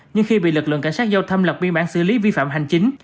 nhưng khi bị lực lượng cảnh sát giao thông lập biên bản xử lý vi phạm hành chính